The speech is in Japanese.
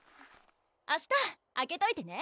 明日空けといてね！